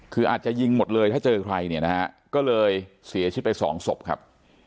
คืออาจจะยิงหมดเลยถ้าเจอใครเนี่ยนะฮะก็เลยเสียชีวิตไปสองศพครับ